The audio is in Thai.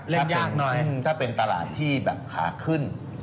เล่นยากหน่อยถ้าเป็นตลาดที่ขาขึ้น